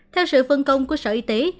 theo sự phân công của sở y tế